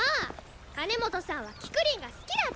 金本さんはキクリンが好きらて！